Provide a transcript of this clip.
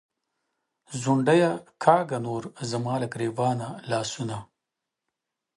“ځونډیه”کاږه نور زما له ګرېوانه لاسونه